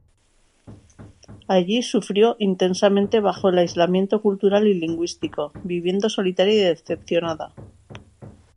Allí sufrió intensamente bajo el aislamiento cultural y lingüístico, viviendo solitaria y decepcionada.